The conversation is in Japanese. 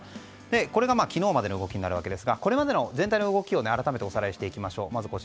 これが昨日までの動きになるわけですが、全体の動きを改めておさらいします。